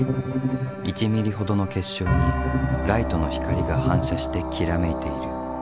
１ｍｍほどの結晶にライトの光が反射してきらめいている。